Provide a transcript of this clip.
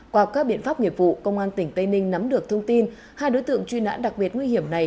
qua các biện pháp nghiệp vụ công an tỉnh tây ninh nắm được thông tin hai đối tượng truy nãn đặc biệt nguy hiểm này